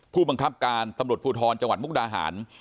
ผู้บังคับการตำรวจภูทรจังหวัดมุกดาหาร